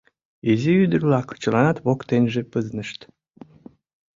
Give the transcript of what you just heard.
Изи ӱдыр-влак чыланат воктенже пызнышт.